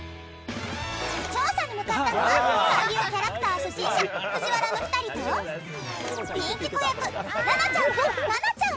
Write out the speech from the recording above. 調査に向かったのはサンリオキャラクター初心者ＦＵＪＩＷＡＲＡの２人と人気子役星奈ちゃんと奈々ちゃん。